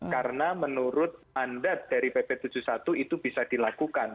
karena menurut anda dari pp tujuh puluh satu itu bisa dilakukan